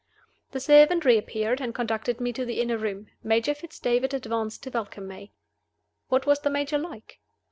The servant reappeared, and conducted me to the inner room. Major Fitz David advanced to welcome me. What was the Major like?